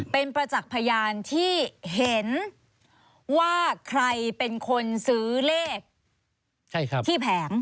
เป็นประจักษ์พยานที่เห็นว่าใครเป็นคนซื้อเลขที่แผง